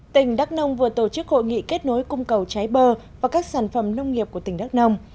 tỉnh đắk nông vừa tổ chức hội nghị kết nối cung cầu trái bơ và các sản phẩm nông nghiệp của tỉnh đắk nông